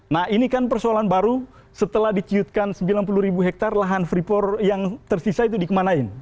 nah ini kan persoalan baru setelah diciutkan sembilan puluh ribu hektare lahan freeport yang tersisa itu dikemanain